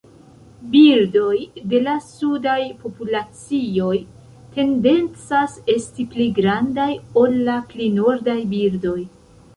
Birdoj de la sudaj populacioj tendencas esti pli grandaj ol la pli nordaj birdoj.